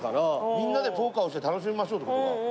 みんなでポーカーをして楽しみましょうってことだ。